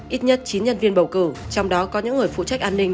ít nhất chín nhân viên bầu cử trong đó có những người phụ trách an ninh